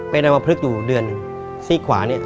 เป็นอะไรมาพฤกษ์อยู่เดือนซี่ขวานี่